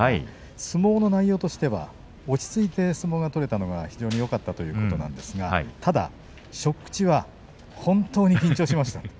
相撲の内容としては落ち着いて相撲が取れてよかったということなんですがただ初口は本当に緊張しました。